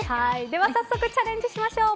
では早速チャレンジしましょう。